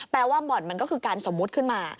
ว่าบ่อนมันก็คือการสมมุติขึ้นมา